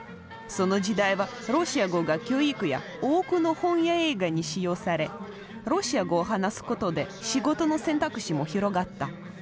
その時代はロシア語が教育や多くの本や映画に使用されロシア語を話すことで仕事の選択肢も広がった。